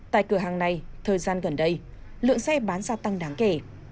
tại cửa hàng này thời gian gần đây lượng xe bán gia tăng đáng kể